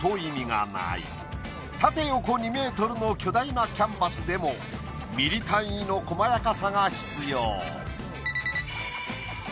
縦横２ｍの巨大なキャンバスでもミリ単位の細やかさが必要。